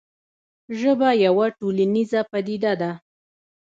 ژبه یوه ټولنیزه پدیده ده.